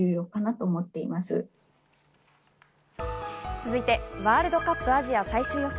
続いてワールドカップアジア最終予選。